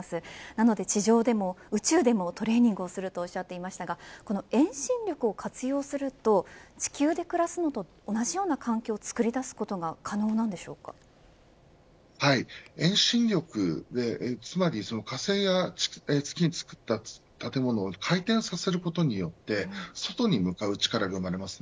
なので、地上でも宇宙でもトレーニングをするとおっしゃっていましたが遠心力を活用すると地球で暮らすのと同じような環境を作り出すことが遠心力で火星や月に作った建物を回転させることによって外に向かう力が生まれます。